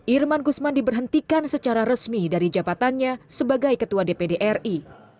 irman gusman diberhentikan secara resmi dari jabatannya sebagai ketua dpd ri